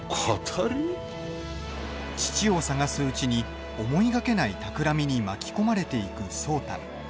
父を探すうちに思いがけないたくらみに巻き込まれていく壮多。